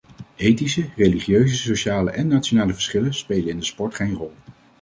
Etnische, religieuze, sociale en nationale verschillen spelen in de sport geen rol.